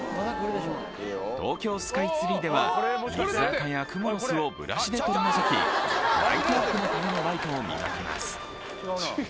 「東京スカイツリーでは水あかやクモの巣をブラシで取り除き」「ライトアップのためのライトを磨きます」